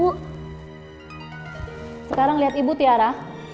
sekarang lihat ibu tiara